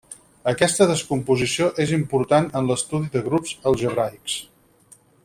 Aquesta descomposició és important en l'estudi de grups algebraics.